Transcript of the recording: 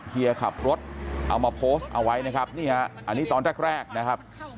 เอามาโพสต์เอาไว้นะครับอันนี้ตอนแรกนะครับ